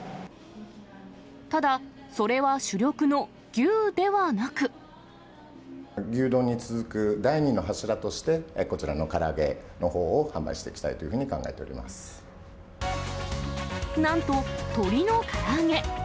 ただ、牛丼に続く第２の柱として、こちらのから揚げのほうを販売していきたいというふうに考えていなんと、鶏のから揚げ。